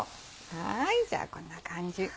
じゃあこんな感じ。